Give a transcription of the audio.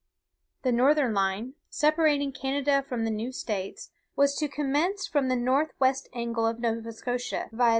The northern line, separating Canada from the New States, was to commence 'from the north west angle of Nova Scotia; viz.